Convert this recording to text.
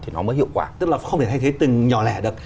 thì nó mới hiệu quả tức là không thể thay thế từng nhỏ lẻ được